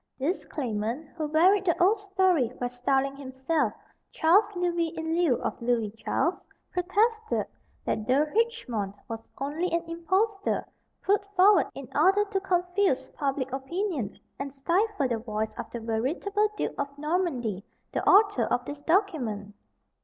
This claimant, who varied the old story by styling himself Charles Louis in lieu of Louis Charles, protested that De Richemont was only an impostor put forward in order to confuse public opinion, and stifle the voice of the veritable Duke of Normandy, the author of this document!